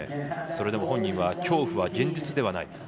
それでも本人は恐怖は現実ではない。